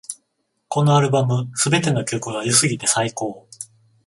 このアルバム、すべての曲が良すぎて最高